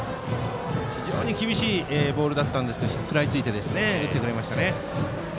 非常に厳しいボールに食らいついて打ってくれましたね。